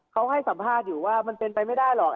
เขาให้สัมภาษณ์อยู่ว่ามันเป็นไปไม่ได้หรอก